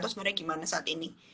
atau sebenarnya gimana saat ini